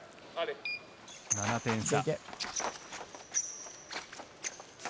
７点差。